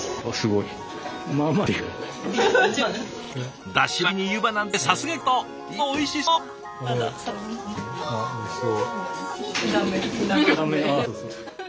いやおいしそう！